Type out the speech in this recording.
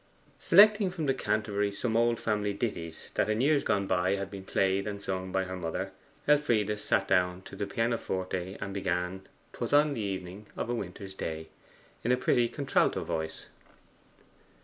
Selecting from the canterbury some old family ditties, that in years gone by had been played and sung by her mother, Elfride sat down to the pianoforte, and began, ''Twas on the evening of a winter's day,' in a pretty contralto voice.